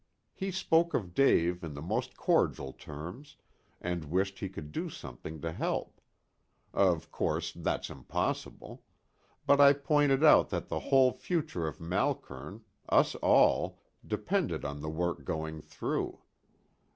He spoke of Dave in the most cordial terms, and wished he could do something to help. Of course, that's impossible. But I pointed out that the whole future of Malkern, us all, depended on the work going through.